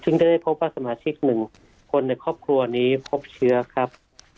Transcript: ซึ่งจะได้พบว่าสมาชิกหนึ่งคนในครอบครัวนี้พบเชื้อครับ